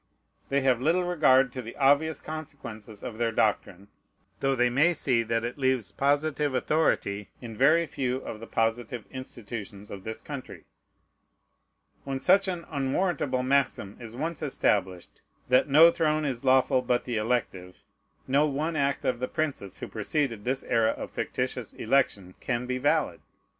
They have little regard to the obvious consequences of their doctrine, though they may see that it leaves positive authority in very few of the positive institutions of this country. When such an unwarrantable maxim is once established, that no throne is lawful but the elective, no one act of the princes who preceded this era of fictitious election can be valid.